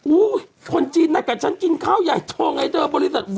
คนจีนกับฉันกินข้าวใหญ่ทองไงเธอบริษัท